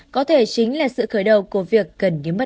có thể chính là sự khởi đầu của việc cần những mẫu